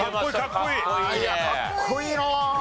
かっこいいね。